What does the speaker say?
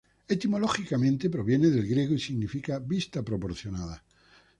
Etimológicamente proviene del griego, y significa "vista proporcionada".